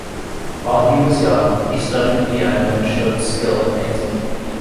While he was young, he studied piano and showed skill at painting.